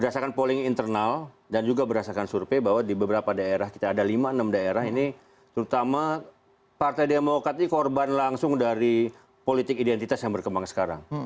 jadi itu paling internal dan juga berasakan survei bahwa di beberapa daerah kita ada lima enam daerah ini terutama partai demokrat ini korban langsung dari politik identitas yang berkembang sekarang